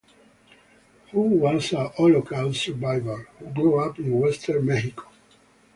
He was a Holocaust survivor who grew up in Western Mexico.